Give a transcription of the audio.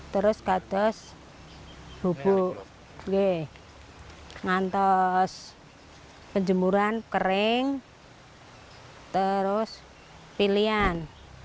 terus kates bubuk g antos penjemuran kering hai terus pilihan